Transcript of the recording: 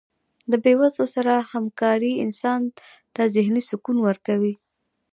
د بې وزلو سره هکاري انسان ته ذهني سکون ورکوي.